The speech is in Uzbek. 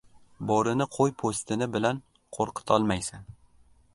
• Bo‘rini qo‘y po‘stini bilan qo‘rqitolmaysan.